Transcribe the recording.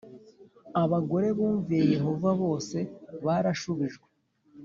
abagore bumviye Yehova bose barashubijwe